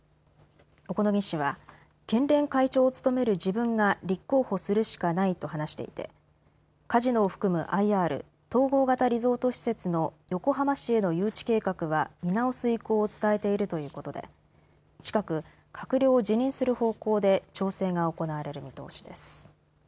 小此木氏は県連会長を務める自分が立候補するしかないと話していてカジノを含むＩＲ＝統合型リゾート施設の横浜市への誘致計画は見直す意向を伝えているということで近く閣僚を辞任する方向で調整が行われる見通しです。